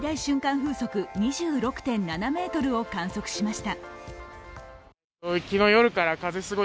風速２６．７メートルを観測しました。